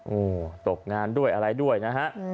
โอ้โหตกงานด้วยอะไรด้วยนะฮะ